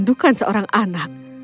saya merindukan seorang anak